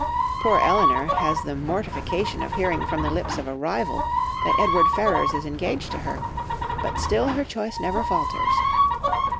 Poor Elinor has the mortification of hearing from the lips of a rival that Edward Ferrars is engaged to her, but still her choice never falters.